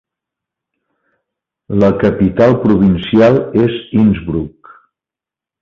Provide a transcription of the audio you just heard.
La capital provincial és Innsbruck.